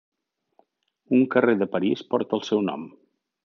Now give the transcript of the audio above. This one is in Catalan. Un carrer de París porta el seu nom.